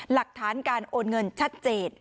หลักฐานการโอนเงินชัดเจน